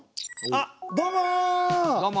あっどうも。